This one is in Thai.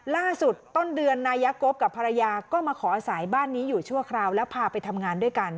ต้นเดือนนายกบกับภรรยาก็มาขออาศัยบ้านนี้อยู่ชั่วคราวแล้วพาไปทำงานด้วยกัน